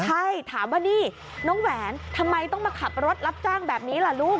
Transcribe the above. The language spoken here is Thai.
ใช่ถามว่านี่น้องแหวนทำไมต้องมาขับรถรับจ้างแบบนี้ล่ะลูก